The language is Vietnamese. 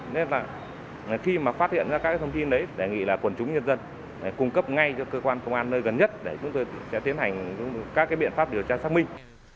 nên là khi mà phát hiện ra các thông tin đấy đề nghị là quần chúng nhân dân cung cấp ngay cho cơ quan công an nơi gần nhất để chúng tôi sẽ tiến hành các biện pháp điều tra xác minh